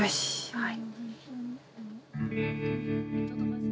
はい。